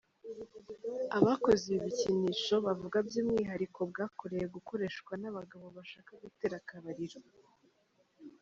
Abakoze ibi bikinisho bavuga by’umwihariko bwakoreye gukoreshwa n’abagabo bashaka gutera akabariro.